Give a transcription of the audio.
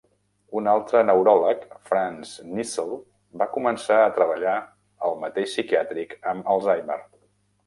Un altre neuròleg, Franz Nissl, va començar a treballar al mateix psiquiàtric amb Alzheimer.